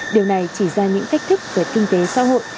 điều này chỉ ra những thách thức về kinh tế xã hội